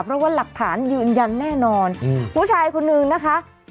เพราะว่าหลักฐานยืนยันแน่นอนผู้ชายคนนึงนะคะ